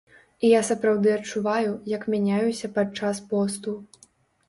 І я сапраўды адчуваю, як мяняюся падчас посту.